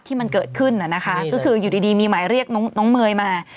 ที่มันเกิดขึ้นน่ะนะคะก็คืออยู่ดีมีหมายเรียกน้องเมย์มา